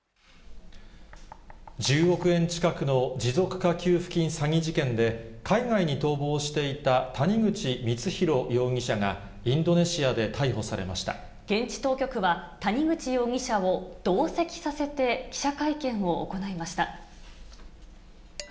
１０億円近くの持続化給付金詐欺事件で、海外に逃亡していた谷口光弘容疑者が、インドネシアで逮捕されま現地当局は、谷口容疑者を同席させて記者会見を行いました。